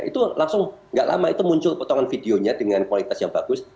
itu langsung nggak lama itu muncul potongan videonya dengan kualitas yang bagus